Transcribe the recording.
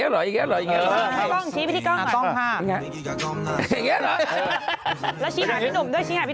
โอ้โฮพี่หนุ่ม